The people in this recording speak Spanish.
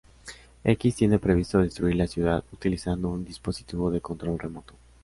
X tiene previsto destruir la ciudad utilizando un dispositivo de control remoto.